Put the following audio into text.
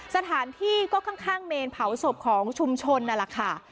สถานที่ก็ข้างเมนเผาศพของชุมชนนั่นแหละค่ะ